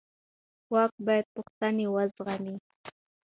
واک باید پوښتنې وزغمي